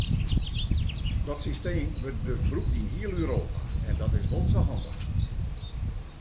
Dat systeem wurdt dus brûkt yn hiel Europa, en dat is wol sa handich.